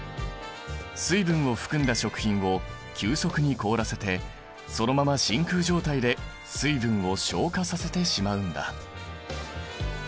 水分を含んだ食品を急速に凍らせてそのまま真空状態で水分を昇華させてしまうんだ。